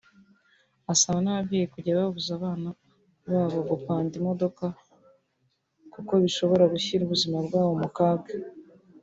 asaba n’ababyeyi kujya babuza abana babo gupanda imodoka kuko bishobora gushyira ubuzima bwabo mu kaga